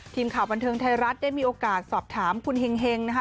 ทีมข่าวบันเทิงไทยรัฐได้มีโอกาสสอบถามคุณเฮงนะคะ